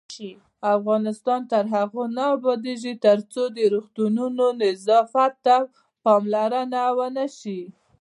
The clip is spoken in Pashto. افغانستان تر هغو نه ابادیږي، ترڅو د روغتونونو نظافت ته پاملرنه ونشي.